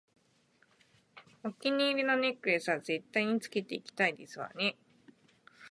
お気に入りのネックレスは絶対につけていきたいですわね